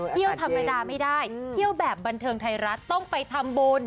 เที่ยวธรรมดาไม่ได้เที่ยวแบบบันเทิงไทยรัฐต้องไปทำบุญ